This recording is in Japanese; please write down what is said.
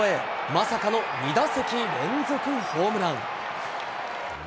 まさかの２打席連続ホームラン。